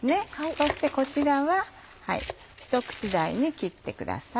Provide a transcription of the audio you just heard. そしてこちらはひと口大に切ってください。